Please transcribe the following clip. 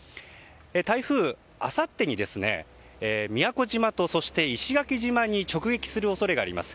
台風、あさってに宮古島とそして石垣島に直撃する恐れがあります。